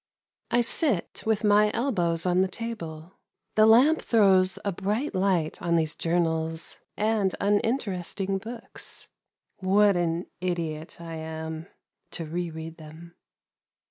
I sit with my elbows on the table, the lamp throws a bright light on these journals and uninteresting books. What an idiot I am to re read them